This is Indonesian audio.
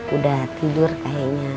udah tidur kayaknya